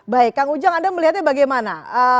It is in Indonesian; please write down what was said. baik kang ujang anda melihatnya bagaimana